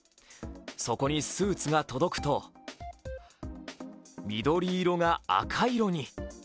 そこにスーツが届くと、緑色が赤色に。